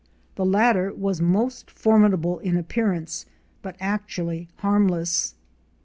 The latter was most for midable in appearance but actually harmless.